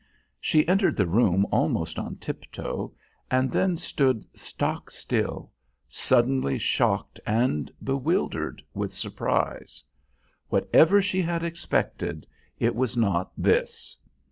She entered the room almost on tiptoe, and then stood stock still, suddenly shocked and bewildered with surprise. Whatever she had expected, it was not this.